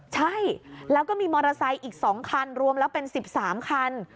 ใช่แล้วก็มีมอเตอร์ไซค์อีก๒คันรวมแล้วเป็น๑๓คัน